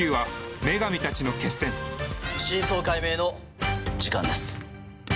真相解明の時間です。